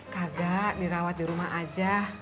kagak dirawat di rumah aja